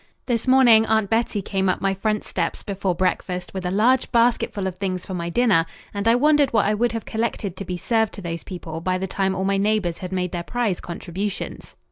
This morning Aunt Bettie came up my front steps before breakfast with a large basketful of things for my dinner, and I wondered what I would have collected to be served to those people by the time all my neighbours had made their prize contributions.